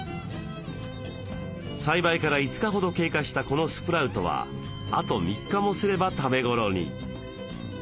栽培から５日ほど経過したこのスプラウトはあと３日もすれば食べごろに。